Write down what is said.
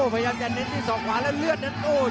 พยายามจะเน็ตด้วยส่องขวาและเลือดแน็ตโอ้โห